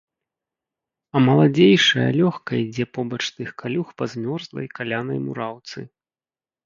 А маладзейшая лёгка ідзе побач тых калюг па змёрзлай, калянай мураўцы.